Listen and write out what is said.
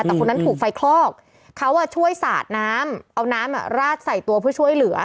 แต่คนนั้นถูกไฟคลอกเขาช่วยสาดน้ำเอาน้ำราดใส่ตัวเพื่อช่วยเหลือ